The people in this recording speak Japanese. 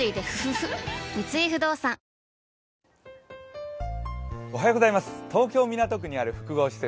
三井不動産東京・港区にある複合施設